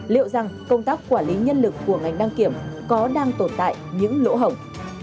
liệu rằng công tác quản lý nhân lực của ngành đăng kiểm có đang tồn tại những lỗ hỏng